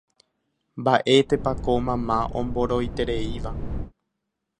mba'étepa ko mama omboroitereíva